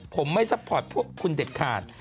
ผมไม่ซัพพอร์ตพวกคุณเด็ดขาด